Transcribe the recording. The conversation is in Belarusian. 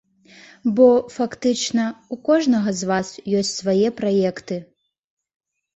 Бо, фактычна, у кожнага з вас ёсць свае праекты.